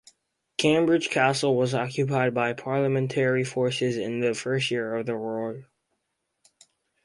Cambridge Castle was occupied by Parliamentary forces in the first year of the war.